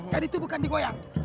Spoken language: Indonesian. dan itu bukan digoyang